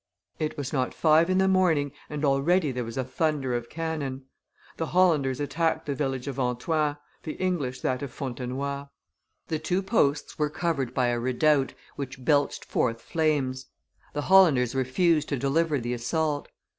It was not five in the morning, and already there was a thunder of cannon. The Hollanders attacked the village of Antoin, the English that of Fontenoy. The two posts were covered by a redoubt which belched forth flames; the Hollanders refused to deliver the assault.